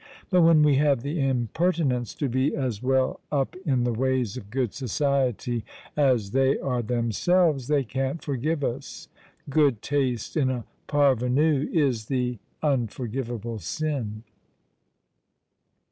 But when we have the impertinence to be as well up in the ways of good society as they are themselves, they can't forgive us. Good taste in a parvenu is the unfor givable sin."